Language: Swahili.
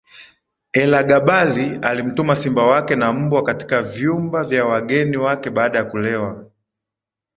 Elagabali alimtuma simba wake na mbwa katika vyumba vya wageni wake baada ya kulewa